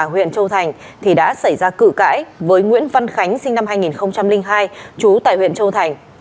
tại huyện châu thành đã xảy ra cử cãi với nguyễn văn khánh sinh năm hai nghìn hai chú tại huyện châu thành